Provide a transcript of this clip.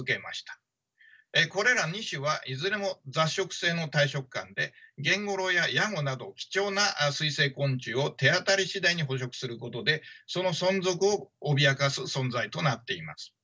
これら２種はいずれも雑食性の大食漢でゲンゴロウやヤゴなど貴重な水生昆虫を手当たりしだいに捕食することでその存続を脅かす存在となっています。